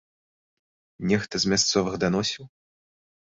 Нехта з мясцовых даносіў?